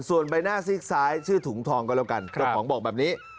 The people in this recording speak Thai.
ส่วนใบหน้าซีกซ้ายชื่อถุงทองก็แล้วกันเจ้าของบอกแบบนี้